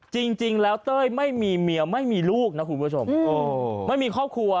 จริงแล้วเต้ยไม่มีเมียไม่มีลูกนะคุณผู้ชมไม่มีครอบครัว